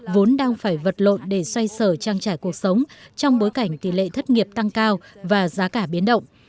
vốn đang phải vật lộn để xoay sở trang trải cuộc sống trong bối cảnh tỷ lệ thất nghiệp tăng cao và giá cả biến động